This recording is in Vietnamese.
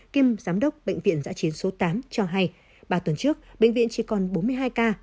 kiêm giám đốc bệnh viện giã chiến số tám cho hay ba tuần trước bệnh viện chỉ còn bốn mươi hai ca